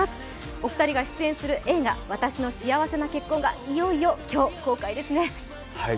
お二人が出演する映画「わたしの幸せな結婚」がいよいよ今日、公開ですね。